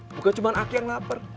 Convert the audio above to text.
bukan cuma aki yang lapar